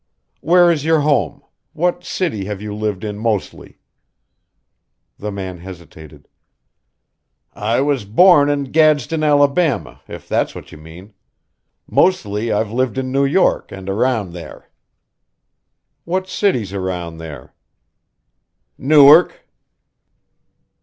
"Where is your home? What city have you lived in mostly?" The man hesitated. "I was born in Gadsden, Alabama, if that's what you mean. Mostly I've lived in New York and around there." "What cities around there?" "Newark."